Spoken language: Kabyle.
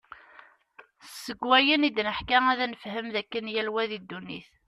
Seg wayen id-neḥka ad nefhem, d akken yal wa di ddunit.